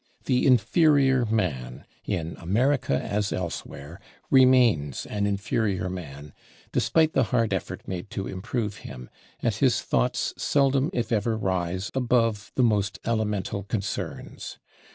The inferior man, in America as elsewhere, remains an inferior man despite the hard effort made to improve him, and his thoughts seldom if ever rise above the most elemental concerns.